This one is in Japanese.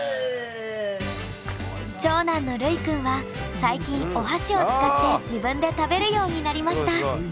長男のルイくんは最近お箸を使って自分で食べるようになりました。